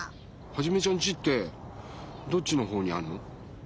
ハジメちゃんちってどっちのほうにあるの？